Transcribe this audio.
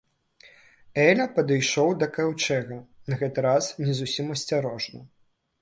Эля падышоў да каўчэга, на гэты раз не зусім асцярожна.